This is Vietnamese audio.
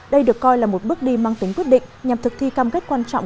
đây được coi là một bước đi mang tính quyết định nhằm thực thi cam kết quan trọng